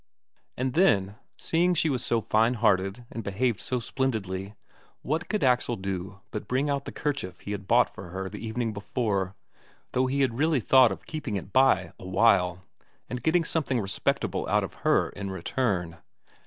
And then, seeing she was so fine hearted and behaved so splendidly, what could Axel do but bring out the kerchief he had bought for her the evening before, though he had really thought of keeping it by a while, and getting something respectable out of her in return.